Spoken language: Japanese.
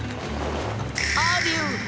アデュー！